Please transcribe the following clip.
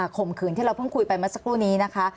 ข่มขืนที่เราเพิ่งคุยไปเมื่อสักครู่นี้นะคะ